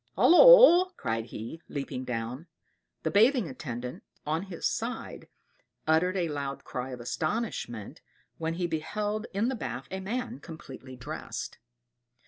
"Holloa!" cried he, leaping down. The bathing attendant, on his side, uttered a loud cry of astonishment when he beheld in the bath, a man completely dressed.